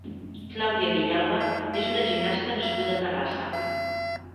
Claudia Villalba és una gimnasta nascuda a Terrassa.